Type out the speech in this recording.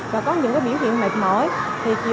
và có những biểu hiện mệt mỏi